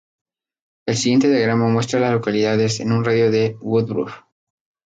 El siguiente diagrama muestra a las localidades en un radio de de Woodruff.